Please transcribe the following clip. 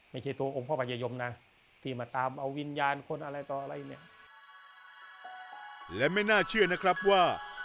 ไม่ใช่ตัวองค์พ่อประยรยมน่ะ